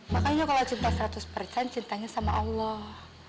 makanya kalau cinta seratus persen cintanya sama allah